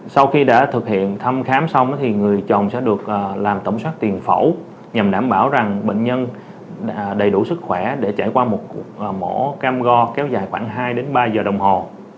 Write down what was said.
sau khi đã thực hiện thăm khám xong người chồng sẽ được làm tổng soát tiền phẫu nhằm đảm bảo bệnh nhân đầy đủ sức khỏe để trải qua một mổ cam go kéo dài khoảng hai ba giờ đồng hồ